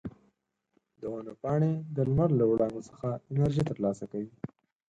د ونو پاڼې د لمر له وړانګو څخه انرژي ترلاسه کوي.